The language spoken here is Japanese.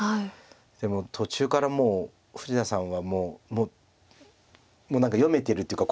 でも途中からもう富士田さんは何か読めてるっていうか